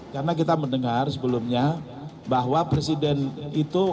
karena kita mendengar sebelumnya bahwa presiden itu